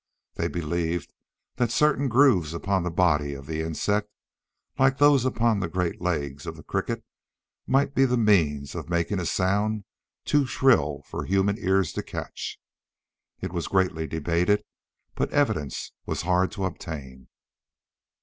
They believed that certain grooves upon the body of the insect, like those upon the great legs of the cricket, might be the means of making a sound too shrill for human ears to catch. It was greatly debated, but evidence was hard to obtain.